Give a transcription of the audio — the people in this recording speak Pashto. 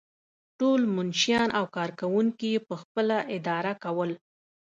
ټول منشیان او کارکوونکي یې پخپله اداره کول.